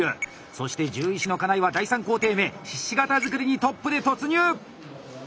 そして獣医師の金井は第３工程目ひし形作りにトップで突入！